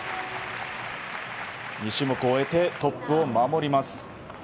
２種目終えてトップを守ります。